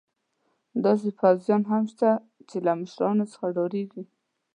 داسې پوځیان هم شته چې له مشرانو څخه ډارېږي.